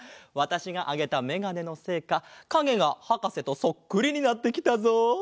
わたしがあげためがねのせいかかげがはかせとそっくりになってきたぞ。